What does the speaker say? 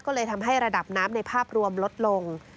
ก็เลยทำให้ระดับน้ำในภาพรวมลดลง